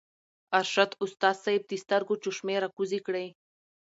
ارشد استاذ صېب د سترګو چشمې راکوزې کړې